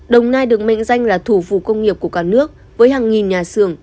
đồng nai được mệnh danh là thủ phủ công nghiệp của cả nước với hàng nghìn nhà xưởng